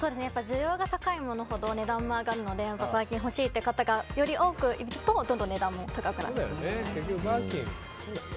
需要が高いものほど値段も上がるのでバーキン欲しいという方がより多くいるとどんどん値段も高くなっていきます。